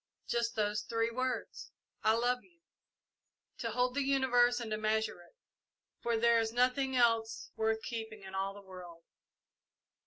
Just those three words, 'I love you,' to hold the universe and to measure it, for there is nothing else worth keeping in all the world!"